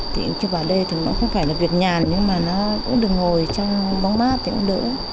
thì khi vào đây thì nó không phải là việc nhàn nhưng mà nó cũng được ngồi trong bóng mát thì cũng đỡ